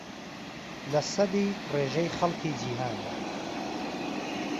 لەسەدی ڕێژەی خەڵکی جیھان